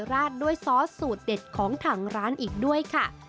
ราดด้วยซอสสูตรเด็ดของทางร้านอีกด้วยค่ะ